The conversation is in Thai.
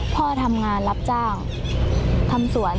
พ่อทำงานรับจ้างทำสวน